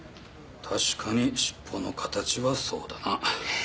確かにしっぽの形はそうだな。